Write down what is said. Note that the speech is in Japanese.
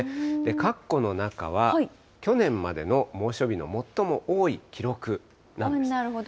かっこの中は、去年までの猛暑日の最も多い記録なんです。